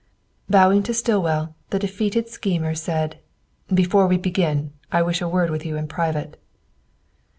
Bowing to Stillwell, the defeated schemer said, "Before we begin, I wish a word with you in private."